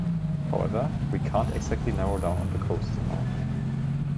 However, we can’t exactly narrow down on the costs’ amount.